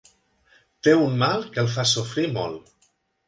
Té un mal que el fa sofrir molt.